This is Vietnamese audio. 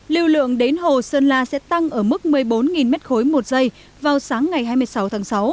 lưu lượng đến hồ sơn la sẽ tăng ở mức một mươi bốn m ba một giây vào sáng ngày hai mươi sáu tháng sáu